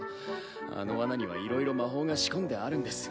あの罠にはいろいろ魔法が仕込んであるんです。